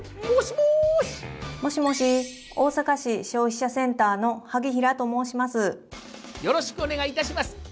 大阪市消費者センターの萩平と申します。